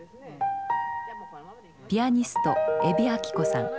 ピアニスト海老彰子さん。